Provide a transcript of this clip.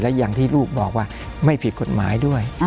และอย่างที่ลูกบอกว่าไม่ผิดกฎหมายด้วย